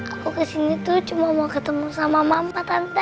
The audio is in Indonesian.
aku kesini tuh cuma mau ketemu sama mama tante